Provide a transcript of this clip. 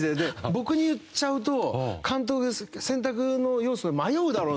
僕に言っちゃうと監督選択の要素で迷うだろうなって彼も思ってるし。